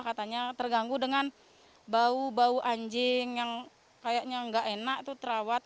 katanya terganggu dengan bau bau anjing yang kayaknya nggak enak itu terawat